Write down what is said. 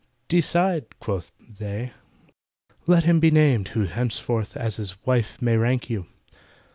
"Decide!" quoth they, "let him be named, Who henceforth as his wife may rank you."